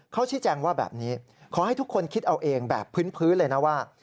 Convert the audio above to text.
เขาชี้แจงว่าแบบนี้ขอให้ทุกคนคิดเอาเองแบบพื้นเลยนะว่า